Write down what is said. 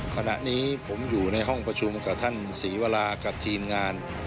ขณะนี้ผมอยู่ในห้องประชุมกับท่านศรีวรากับทีมงาน